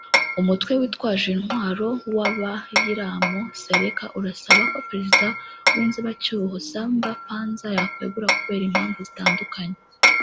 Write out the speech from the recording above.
umutwe witwaje intwalo w’Abayirilamu Seleka urasaba ko perezida w’inzibacyuho Samba Panza yakwegura kubera impmvu zitandukanye